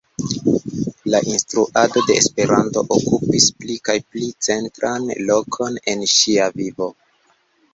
La instruado de Esperanto okupis pli kaj pli centran lokon en ŝia vivo.